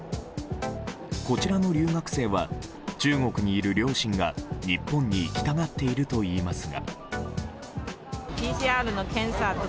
こちらの留学生は中国にいる両親が日本に行きたがっているといいますが。